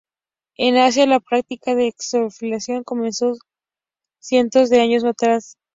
En Asia, la práctica de exfoliación comenzó cientos de años atrás.